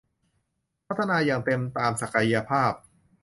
พัฒนาอย่างเต็มตามศักยภาพ